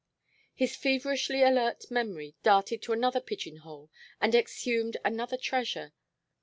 His feverishly alert memory darted to another pigeon hole and exhumed another treasure.